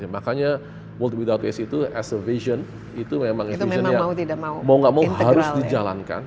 makanya world without waste itu as a vision itu memang visionnya mau nggak mau harus dijalankan